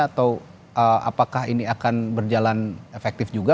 atau apakah ini akan berjalan efektif juga